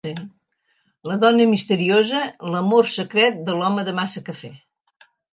La dona misteriosa - l'amor secret de l'Home de Massa Cafè.